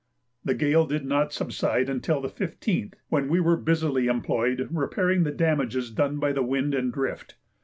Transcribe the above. The gale did not subside until the 15th, when we were busily employed repairing the damages done by the wind and drift.